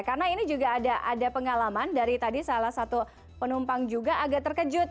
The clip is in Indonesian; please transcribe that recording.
karena ini juga ada pengalaman dari tadi salah satu penumpang juga agak terkejut